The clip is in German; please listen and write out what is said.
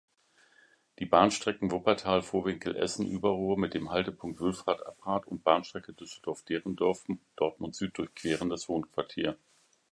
Die Bahnstrecken Wuppertal-Vohwinkel–Essen-Überruhr mit dem Haltepunkt Wülfrath-Aprath und Bahnstrecke Düsseldorf-Derendorf–Dortmund Süd durchqueren das Wohnquartier.